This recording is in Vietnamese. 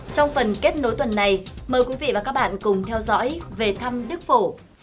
trong phần kết nối tuần này mời quý vị và các bạn cùng theo dõi về thăm đức phổ